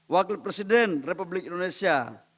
wakil presiden republik indonesia